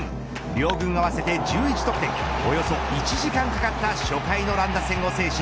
両軍合わせて１１得点およそ１時間かかった初回の乱打戦を制し